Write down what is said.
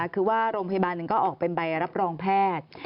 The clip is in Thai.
คือว่าโรงพยาบาลหนึ่งก็ออกเป็นใบรับรองแพทย์